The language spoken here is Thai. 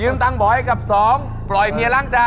๑ยืมตังค์บ๋อยกับ๒ปล่อยเมียล้างจาน